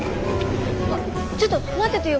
ちょっと待っててよ。